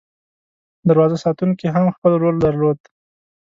دروازه ساتونکي هم خپل رول درلود.